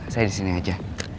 saya disini aja